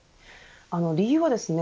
理由はですね